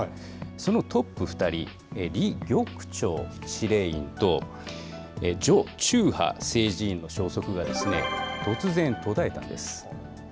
そのトップ２人、李玉超司令員と、徐忠波政治委員の消息が突然途絶えたんです。